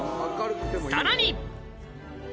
さらに！